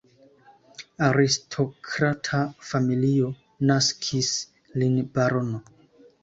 Aristokrata familio naskis lin barono.